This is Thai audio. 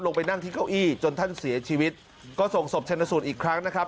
ลงไปนั่งที่เก้าอี้จนท่านเสียชีวิตก็ส่งศพชนสูตรอีกครั้งนะครับ